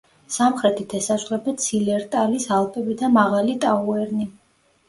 სამხრეთით ესაზღვრება ცილერტალის ალპები და მაღალი ტაუერნი.